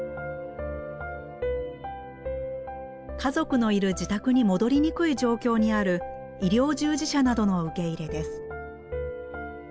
家族のいる自宅に戻りにくい状況にある医療従事者などの受け入れです。